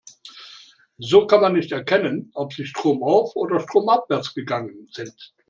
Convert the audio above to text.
So kann man nicht erkennen, ob sie stromauf- oder stromabwärts gegangen sind.